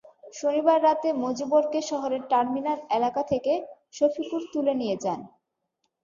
শনিবার রাতে মজিবরকে শহরের টার্মিনাল এলাকা থেকে শফিকুর তুলে নিয়ে যান।